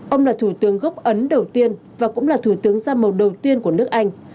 ông là thủ tướng gốc ấn đầu tiên và cũng là thủ tướng da màu đầu tiên của nước anh